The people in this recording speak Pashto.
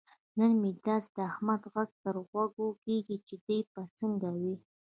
نن مې داسې د احمد غږ تر غوږو کېږي. چې دی به څنګه وي.